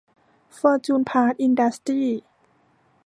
ฟอร์จูน พาร์ท อินดัสตรี้